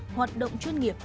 hoạt động chuyên nghiệp